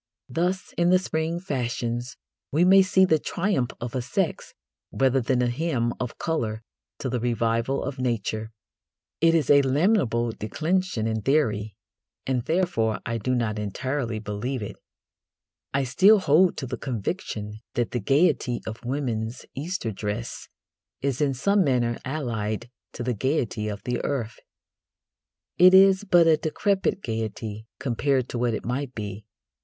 Thus in the spring fashions we may see the triumph of a sex rather than a hymn of colour to the revival of Nature. It is a lamentable declension in theory, and therefore I do not entirely believe it. I still hold to the conviction that the gaiety of women's Easter dress is in some manner allied to the gaiety of the earth. It is but a decrepit gaiety compared to what it might be.